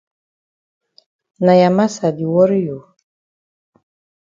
Na ya massa di worry you?